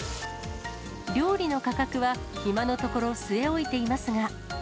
料理の価格は、今のところ据え置いていますが。